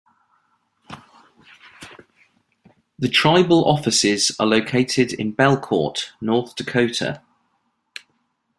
The tribal offices are located in Belcourt, North Dakota.